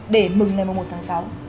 để mừng ngày một tháng sáu